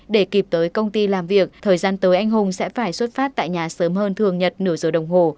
để kịp tới công ty làm việc thời gian tới anh hùng sẽ phải xuất phát tại nhà sớm hơn thường nhật nửa giờ đồng hồ